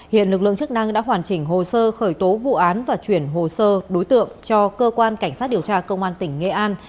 hiện lực lượng chức năng đã hoàn chỉnh hồ sơ khởi tố vụ án và chuyển hồ sơ đối tượng cho cơ quan cảnh sát điều tra công an tỉnh nghệ an